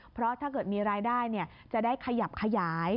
เพราะถ้าเกิดมีรายได้จะได้ขยับขยาย